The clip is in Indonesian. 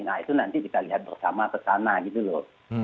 nah itu nanti kita lihat bersama kesana gitu loh